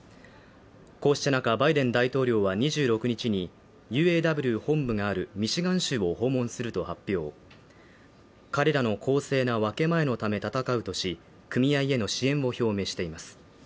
こうした中バイデン大統領は２６日にＵＡＷ本部があるミシガン州を訪問すると発表彼らの公正な分け前のため戦うとし組合への支援も表明しています